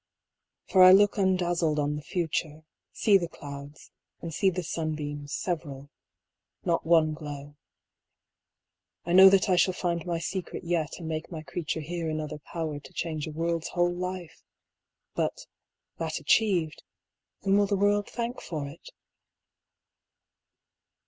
For I look undazzled on the future, see the clouds, and see the sunbeams, several, not one glow: I know that I shall find my secret yet and make my creature here another power to change a world's whole life ; but, that achieved, whom will the world thank for it?